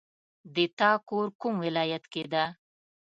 د تا کور کوم ولایت کې ده